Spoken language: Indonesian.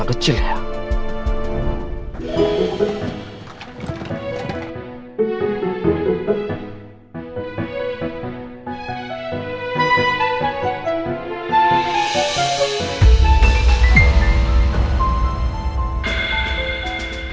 tak ada engga engga engga